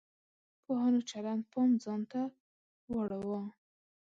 پوهانو چلند پام ځان ته واړاوه.